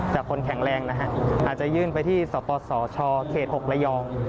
จากคนแข็งแรงนะครับอาจจะยื่นไปที่สปศช๖ระยอง